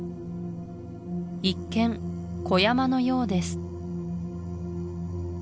一見小山のようです